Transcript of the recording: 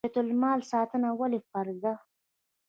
د بیت المال ساتنه ولې فرض ده؟